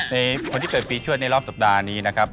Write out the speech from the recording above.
ในคนที่เปิดปีช่วยในรอบสัปดาห์นี้นะครับ